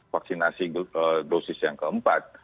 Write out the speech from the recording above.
vaksinasi dosis yang keempat